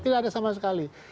tidak ada sama sekali